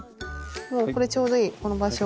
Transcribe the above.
もうこれちょうどいいこの場所。